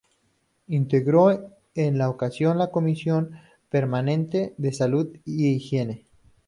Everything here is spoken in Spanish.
Integró en la ocasión la Comisión permanente de Salud e Higiene.